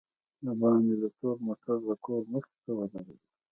دباندې تور موټر دکور مخې ته ودرېد.